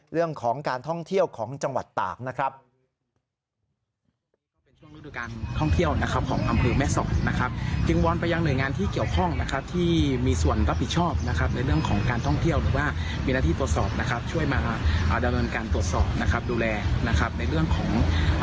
เรื่องของการท่องเที่ยวของจังหวัดตากนะครับ